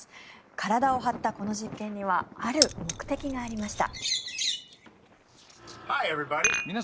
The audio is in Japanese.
体を張ったこの実験にはある目的がありました。